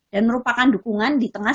merupakan dukungan di tengah